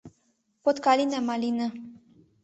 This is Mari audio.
Подкалина-малина